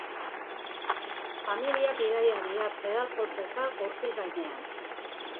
Familia bidaiaria, pedal kolpeka gurpil gainean.